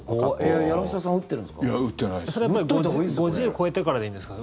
柳澤さん、打ってるんですか？